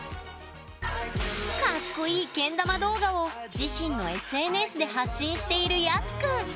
カッコいいけん玉動画を自身のＳＮＳで発信しているＹＡＳＵくん。